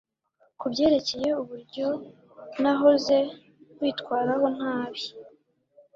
kubyerekeye uburyonahoze nkwitwaraho ntabi